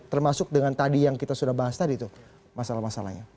termasuk dengan tadi yang kita sudah bahas tadi tuh masalah masalahnya